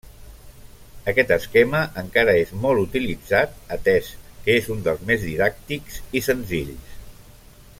Aquest esquema encara és molt utilitzat atès que és un dels més didàctics i senzills.